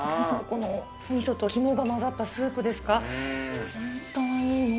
このみそと肝が混ざったスープですか。